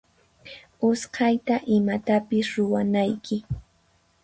Usqaylla imatapis ruwanayki.